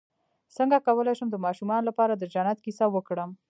څنګه کولی شم د ماشومانو لپاره د جنت کیسه وکړم